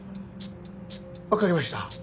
わかりました。